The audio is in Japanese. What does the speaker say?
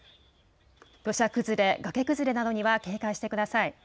土砂崩れ、崖崩れなどには警戒してください。